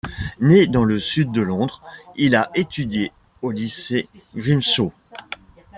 Né dans le Sud de Londres, il a étudié au Lycée Greenshaw.